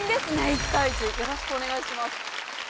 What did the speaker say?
１対１よろしくお願いします